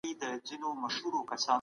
تاریخ له معاصر سیاست څخه ډیر ژور دی.